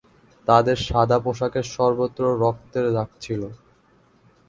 তাঁদের সাদা পোশাকে সর্বত্র রক্তের দাগ ছিল।